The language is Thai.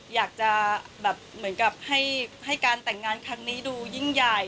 อยากจะแบบเหมือนกับให้การแต่งงานครั้งนี้ดูยิ่งใหญ่